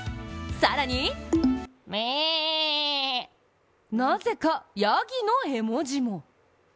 更になぜか、やぎの絵文字も。